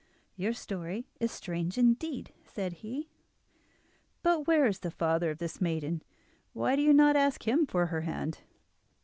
"Your story is strange indeed," said he. "But where is the father of this maiden—why do you not ask him for her hand?